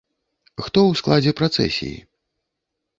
Хто ў складзе працэсіі?